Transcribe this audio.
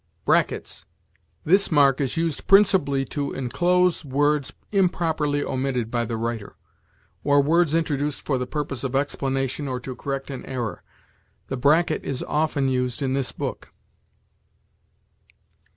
BRACKETS. This mark is used principally to inclose words improperly omitted by the writer, or words introduced for the purpose of explanation or to correct an error. The bracket is often used in this book.